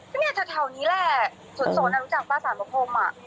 ที่นี่แถวนี้แหละสนอ่ะรู้จักป้าสาหรับผมอ่ะ